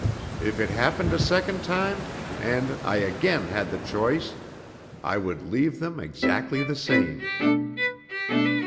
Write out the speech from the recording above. If it happened a second time, and I again had the choice, I would leave them exactly the same."